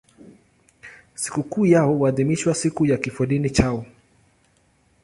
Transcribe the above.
Sikukuu yao huadhimishwa siku ya kifodini chao.